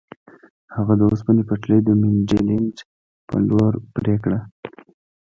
هغه د اوسپنې پټلۍ د مینډلینډ په لور پرې کړه.